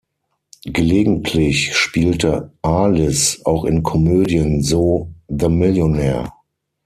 Gelegentlich spielte Arliss auch in Komödien, so "The Millionaire".